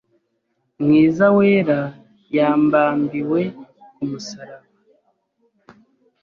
mwiza, Wera yambambiwe ku musaraba.